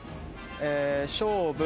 勝負。